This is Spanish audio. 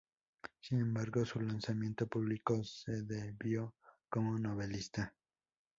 Sin embargo, su lanzamiento público se debió como novelista.